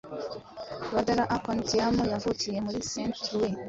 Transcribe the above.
Badara Akon Thiam yavukiye muri Saint Louis